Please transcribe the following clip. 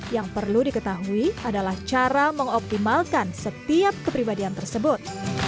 yang perlu diketahui adalah cara mengoptimalkan setiap kepribadian tersebut